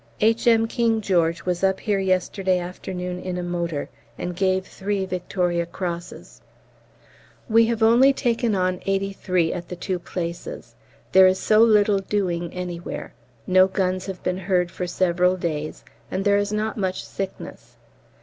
H.M. King George was up here yesterday afternoon in a motor and gave three V.C.'s. We have only taken on 83 at the two places. There is so little doing anywhere no guns have been heard for several days, and there is not much sickness.